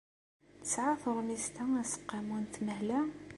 Tesɛa teṛmist-a aseqqamu n tmehla?